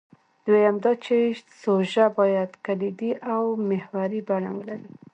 دویم دا چې سوژه باید کلیدي او محوري بڼه ولري.